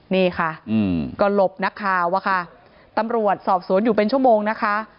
นี่ค่ะก็หลบนักข่าวอะค่ะตำรวจสอบสวนอยู่เป็นชั่วโมงนะคะ